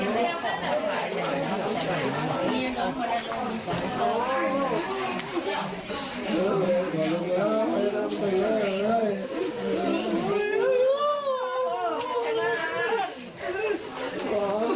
นี้พ่ออยู่ชีวิตก็เข้าทางไปแล้วนะครับทุกช่วง